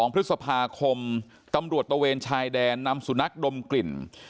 ๒พฤษภาคมตำรวจตะเวนชายแดนนำสุนัขดมกลิ่น